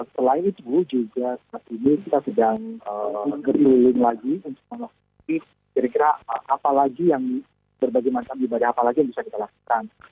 selain itu juga saat ini kita sedang berkeliling lagi untuk melakukan kira kira apa lagi yang berbagai macam ibadah apa lagi yang bisa kita lakukan